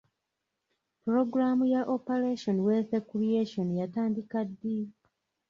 Pulogulamu ya operation wealth creation yatandika ddi?